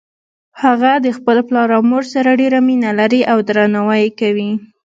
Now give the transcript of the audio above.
هغه د خپل پلار او مور سره ډیره مینه لری او درناوی یی کوي